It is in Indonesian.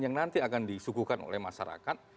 yang nanti akan disuguhkan oleh masyarakat